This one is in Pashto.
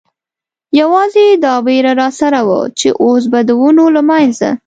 یوازې دا وېره را سره وه، چې اوس به د ونو له منځه.